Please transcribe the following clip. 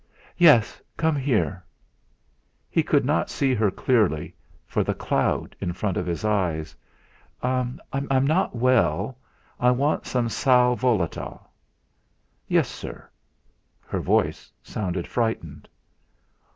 "Yes, come here"; he could not see her clearly, for the cloud in front of his eyes. "I'm not well, I want some sal volatile." "Yes, sir." Her voice sounded frightened.